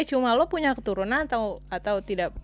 cuma lo punya keturunan atau tidak